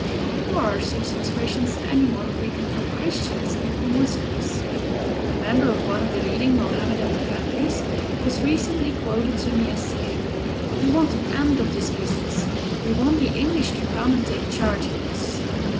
Nor are such expressions any more frequent from Christians than from Moslems. A member of one of the leading Mohammedan families was recently quoted to me as saying: "We want an end of this business. We want the English to come and take charge of us."